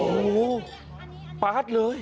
ประบาดเลย